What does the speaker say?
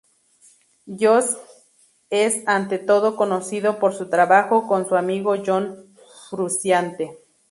Josh es ante todo conocido por su trabajo con su amigo John Frusciante.